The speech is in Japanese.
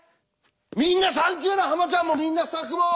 みんなサンキューだハマちゃんもみんなスタッフも！